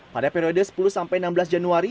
pada periode sepuluh enam belas januari